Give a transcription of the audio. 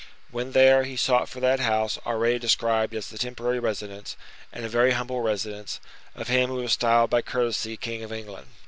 When there, he sought for that house already described as the temporary residence—and a very humble residence—of him who was styled by courtesy king of England.